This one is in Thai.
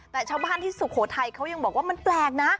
แต่ชาวบ้านที่สุโขทัยเขายังบอกว่ามันแปลกนะ